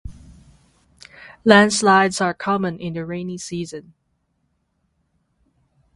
Landslides are common in the rainy season.